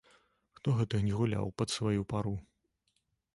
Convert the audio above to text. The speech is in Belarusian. Хто гэта не гуляў пад сваю пару?